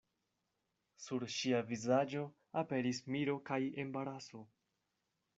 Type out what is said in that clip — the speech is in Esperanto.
Sur ŝia vizaĝo aperis miro kaj embaraso.